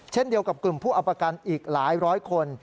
เช่นเดียวกับกลุ่มผู้เอาประกันอีกหลายร้อยคน